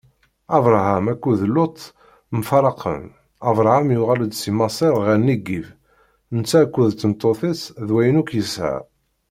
Abṛaham akked Luṭ mfaraqen Abṛaham yuɣal-d si Maṣer ɣer Nigib, netta akked tmeṭṭut-is d wayen akk yesɛa.